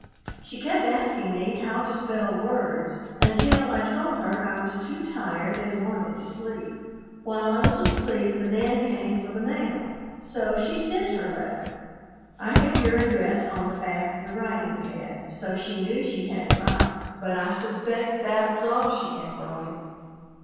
She kept asking me how to spell words until I told her I was too tired and wanted to sleep. While I was asleep the man came for the mail, so she sent her letter. I have your address on the back of the writing pad, so she knew she had it right, but I suspect that was all she had right.